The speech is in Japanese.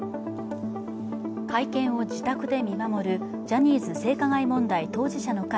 会見を自宅で見守るジャニーズ性加害問題当事者の会